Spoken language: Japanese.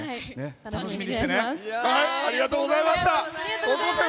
楽しみにしてね！